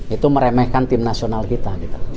itu meremehkan tim nasional kita